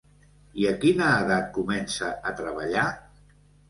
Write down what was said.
I a quina edat comença a treballar?